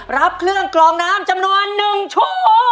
รับเครื่องกลองน้ำจำนวนหนึ่งชั่ว